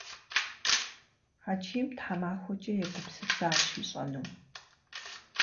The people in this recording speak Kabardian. Хьэчим тхьэмахуэкӏэ егупсысащ ищӏэнум.